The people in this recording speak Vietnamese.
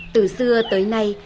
từ xưa tới nay